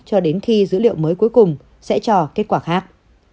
cho đến khi dữ liệu mới cuối cùng sẽ cho kết quả khác